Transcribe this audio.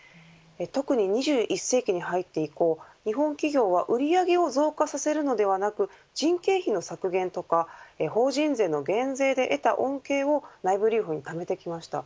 特に２１世紀に入って以降日本企業は売上を増加させるのではなくて人件費の削減や法人税の減税で得た恩恵を内部留保に貯めてきました。